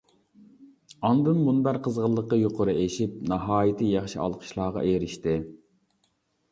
ئاندىن مۇنبەر قىزغىنلىقى يۇقىرى ئېشىپ ناھايىتى ياخشى ئالقىشلارغا ئېرىشتى.